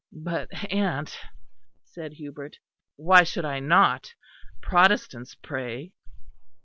"But, aunt," said Hubert, "why should I not? Protestants pray."